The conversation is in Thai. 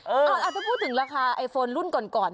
อาจจะพูดถึงราคาไอโฟนรุ่นก่อน